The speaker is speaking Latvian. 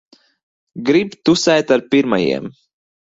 Grib tusēt ar pirmajiem.